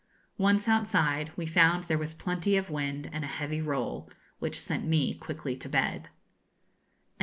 Once outside we found there was plenty of wind and a heavy roll, which sent me quickly to bed.